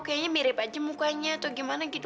kayaknya mirip aja mukanya atau gimana gitu